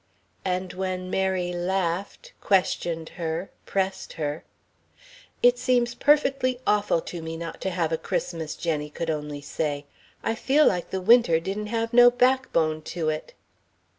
And when Mary laughed, questioned her, pressed her, "It seems perfectly awful to me not to have a Christmas," Jenny could say only, "I feel like the Winter didn't have no backbone to it."